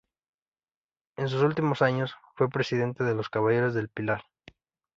En sus últimos años, fue presidente de los Caballeros del Pilar.